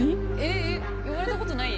えっ言われたことない？